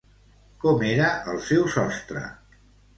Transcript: Com era el seu sostre?